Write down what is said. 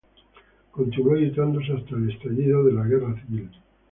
Continuó editándose hasta el estallido de la Guerra civil.